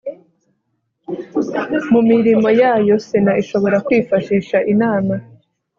mu mirimo yayo sena ishobora kwifashisha inama